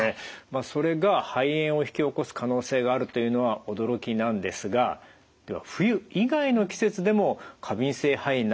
それが肺炎を引き起こす可能性があるというのは驚きなんですがでは冬以外の季節でも過敏性肺炎になる可能性というのはあるんでしょうか？